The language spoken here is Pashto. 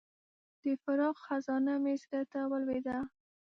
د فراق خزانه مې زړه ته ولوېده.